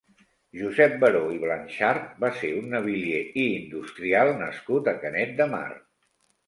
Josep Baró i Blanxart va ser un navilier i industrial nascut a Canet de Mar.